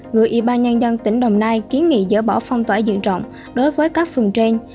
người ủy ban nhân dân tỉnh đồng nai kiến nghị dỡ bỏ phong tỏa diện rộng đối với các phường trên